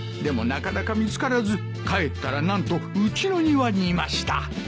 でもなかなか見つからず帰ったらなんとうちの庭にいました。